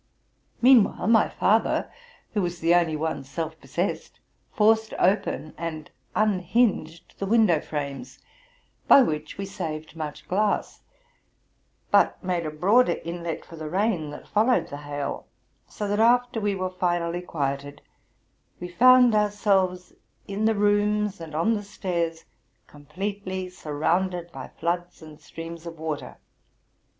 Meanwhile, my father, who was the only one self possessed, forced open and unhinged the window frames, by which we saved much glass, but made a broader inlet for the rain that followed the hail; so that, after we were finally quieted, we found ourselves in the rooms and on the stairs completely surrounded by floods and streams of water, RELATING TO MY LIFE.